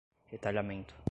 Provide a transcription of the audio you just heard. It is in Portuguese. retalhamento